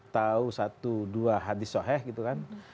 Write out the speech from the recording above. tahu satu dua hadis soeh gitu kan